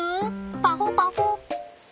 パホパホ。